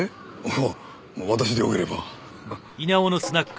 いや私でよければ。